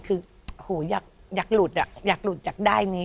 คืออยากหลุดอยากหลุดจากด้ายนี้